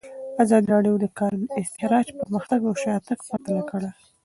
ازادي راډیو د د کانونو استخراج پرمختګ او شاتګ پرتله کړی.